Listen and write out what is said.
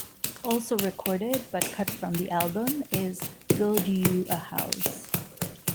Also recorded but cut from the album is 'Build You a House'.